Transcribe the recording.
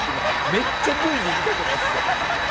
めっちゃＶが短くなってた。